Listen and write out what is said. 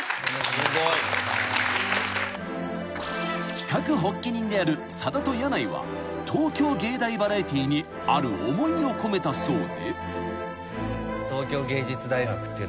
［企画発起人であるさだと箭内は東京藝大バラエティーにある思いを込めたそうで］